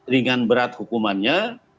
ringan berat hukumannya